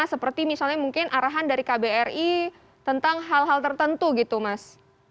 seperti misalnya mungkin arahan dari kbri tentang hal hal tertentu gitu mas